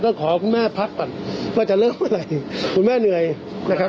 ก็ขอคุณแม่พักก่อนว่าจะเริ่มเมื่อไหร่คุณแม่เหนื่อยนะครับ